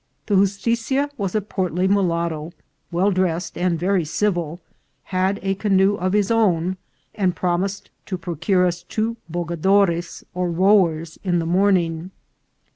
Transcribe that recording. The justitia was a portly mulatto, well dressed, and very civil, had a canoe of his own, and promised to procure us two bogadores or rowers in the morning.